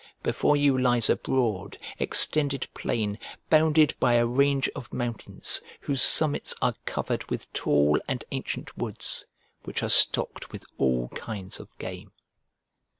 Before you lies a broad, extended plain bounded by a range of mountains, whose summits are covered with tall and ancient woods, which are stocked with all kinds of game.